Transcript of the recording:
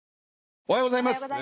おはようございます。